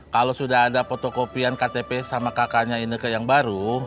kalau sudah ada fotokopian ktp sama kakaknya ini ke yang baru